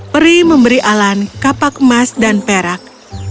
peri memberi alan kapak emas dan perak